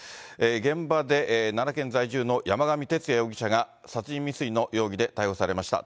現場で、奈良県在住の山上徹也容疑者が殺人未遂の容疑で逮捕されました。